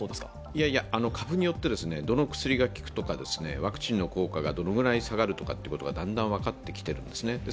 いや、株によって、どの薬が効くとかワクチンの効果がどのくらい下がるのかがだんだん分かってきています。